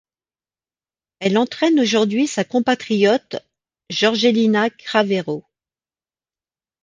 Elle entraîne aujourd'hui sa compatriote Jorgelina Cravero.